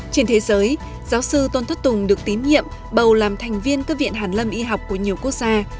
trên thế giới giáo sư tôn thất tùng được tín nhiệm bầu làm thành viên các viện hàn lâm y học của nhiều quốc gia